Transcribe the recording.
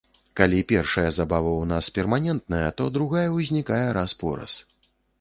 Калі першая забава ў нас перманентная, то другая ўзнікае раз-пораз.